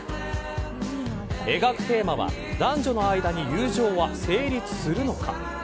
描くテーマは男女の間に友情は成立するのか。